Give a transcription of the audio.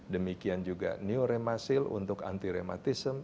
demikian juga neoremasil untuk anti rematism